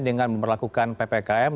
dengan memperlakukan ppkm